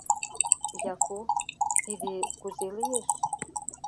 — Яку, тиде кузе лиеш?